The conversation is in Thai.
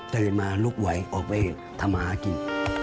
ตื่นมาลุกไหวออกไปทำหากิน